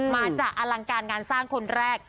มาจากอลังการงานสร้างคนแรก